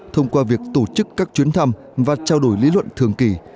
thông qua việc tổ chức các chuyến thăm và trao đổi lý luận thường kỳ